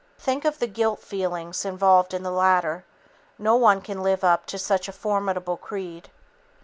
Think of the guilt feelings involved in the latter. No one can live up to such a formidable creed.